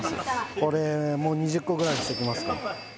これも２０個ぐらいにしときますか